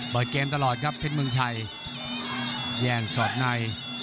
เปิดเกมตลอดครับเพชรเมืองชัยแย่งสอกใน